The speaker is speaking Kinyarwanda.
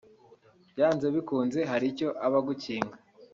byanze bikunze hari icyo aba agukinga